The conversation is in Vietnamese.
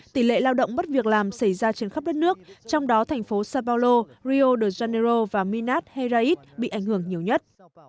tỷ lệ lao động mất việc làm xảy ra trên khắp đất nước trong đó thành phố sabalo rio de janeiro và minas herraid bị ảnh hưởng nhiều nhất